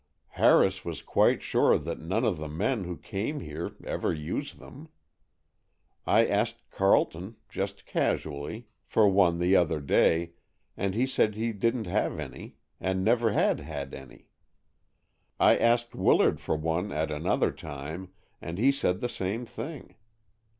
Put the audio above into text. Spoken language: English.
Harris was quite sure that none of the men who came here ever use them. I asked Carleton, just casually, for one the other day, and he said he didn't have any and never had had any. I asked Willard for one at another time, and he said the same thing.